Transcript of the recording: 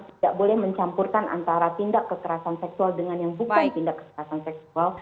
tidak boleh mencampurkan antara tindak kekerasan seksual dengan yang bukan tindak kekerasan seksual